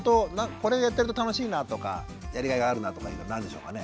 これやってると楽しいなとかやりがいがあるなとか今何でしょうかね？